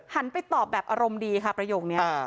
ไปตอบแบบอารมณ์ดีค่ะประโยคนี้